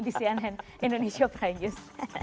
di cnn indonesia prime news